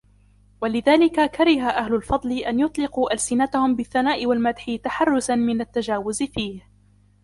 وَلِذَلِكَ كَرِهَ أَهْلُ الْفَضْلِ أَنْ يُطْلِقُوا أَلْسِنَتَهُمْ بِالثَّنَاءِ وَالْمَدْحِ تَحَرُّزًا مِنْ التَّجَاوُزِ فِيهِ